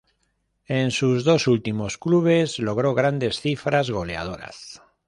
En sus dos últimos clubes logró grandes cifras goleadoras.